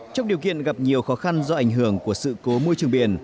trong điều kiện gặp nhiều khó khăn do ảnh hưởng của sự cố môi trường biển